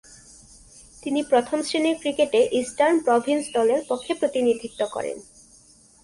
তিনি প্রথম-শ্রেণীর ক্রিকেটে ইস্টার্ন প্রভিন্স দলের পক্ষে প্রতিনিধিত্ব করেন।